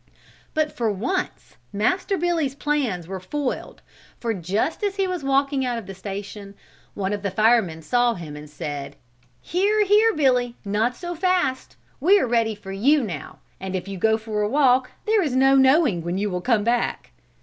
But for once Master Billy's plans were foiled for just as he was walking out of the station one of the firemen saw him and said: "Here, here, Billy, not so fast! We are ready for you now and if you go for a walk there is no knowing when you will come back."